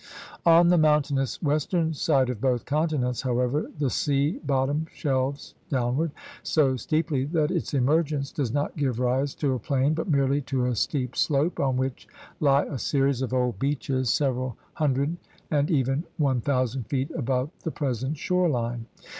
On the mountainous western side of both continents; however, the sea bottom shelves downward so steeply that its emergence does not give rise to a plain but merely to a steep slope on which lie a series of old beaches several hundred and even one thousand feet above the present shore line.